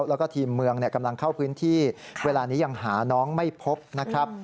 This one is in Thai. แล้วก็ทีมเมืองกำลังเข้าพื้นที่เวลานี้ยังหาน้องไม่พบนะครับ